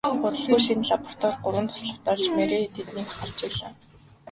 Удалгүй шинэ лабораторид гурван туслахтай болж Мария тэднийг ахалж байлаа.